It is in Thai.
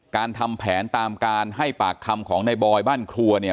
การทำแผนตามการให้ปากคำของในบอยบ้านครัวเนี่ย